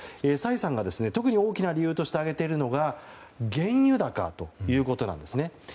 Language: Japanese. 崔さんが特に大きな理由として挙げているのが原油高ということなんです。